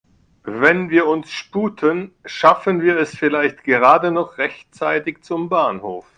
Wenn wir uns sputen, schaffen wir es vielleicht gerade noch rechtzeitig zum Bahnhof.